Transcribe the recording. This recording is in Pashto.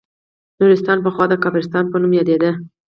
نورستان پخوا د کافرستان په نوم یادیده